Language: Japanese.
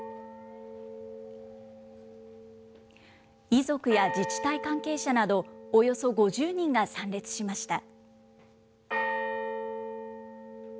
遺族や自治体関係者などおよそ５０人が参列しました。